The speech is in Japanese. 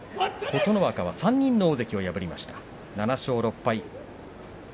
琴ノ若は３人の大関を破りました７勝６敗。